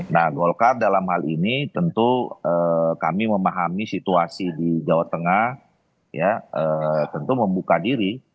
nah golkar dalam hal ini tentu kami memahami situasi di jawa tengah tentu membuka diri